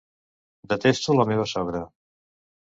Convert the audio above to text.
Detesto la meva sogra.